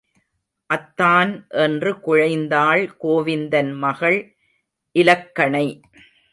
அத்தான் என்று குழைந்தாள் கோவிந்தன் மகள் இலக்கணை.